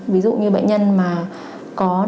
ví dụ như bệnh nhân mà có động cơ